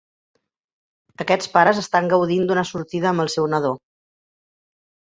Aquests pares estan gaudint d'una sortida amb el seu nadó.